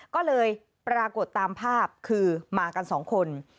ก็เลยปรากฏตามภาพคือมากันสองคน